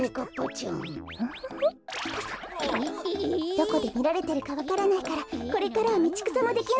どこでみられてるかわからないからこれからはみちくさもできないわね。